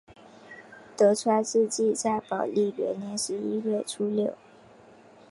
德川治济在宝历元年十一月初六。